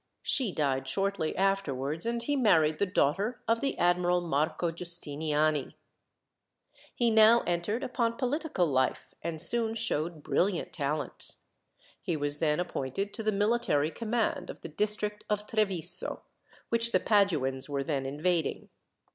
She died shortly afterwards, and he married the daughter of the Admiral Marco Giustiniani. He now entered upon political life, and soon showed brilliant talents. He was then appointed to the military command of the district of Treviso, which the Paduans were then invading.